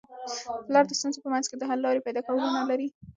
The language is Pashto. پلار د ستونزو په منځ کي د حل لاري پیدا کولو هنر لري.